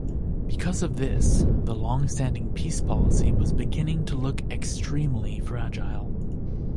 Because of this the long-standing peace policy was beginning to look extremely fragile.